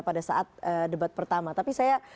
pada saat debat pertama tapi saya